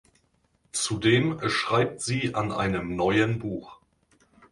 Zudem schreibt sie an einem neuen Buch.